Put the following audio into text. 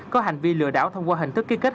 có hành vi lừa đảo thông qua hình thức ký kết